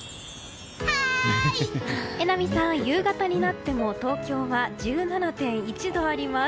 榎並さん、夕方になっても東京は１７．１度あります。